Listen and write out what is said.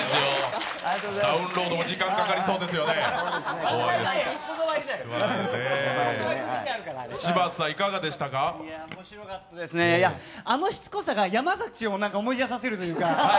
ダウンロードも時間かかりそうですよねおもしろかったですね、あのしつこさが山崎を思い出させるというか。